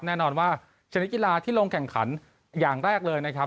แน่นอนว่าชนิดกีฬาที่ลงแข่งขันอย่างแรกเลยนะครับ